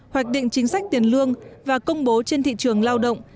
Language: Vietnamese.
hoạch định chính sách tiền lương và công bố trên thị trường lao động